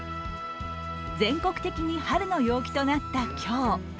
全国的に春の陽気となった今日。